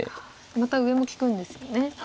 また上も利くんですよね。